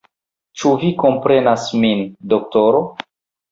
Ĉu vi komprenas min, doktoro?